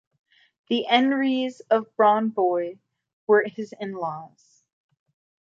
The Enery's of Bawnboy were his in-laws.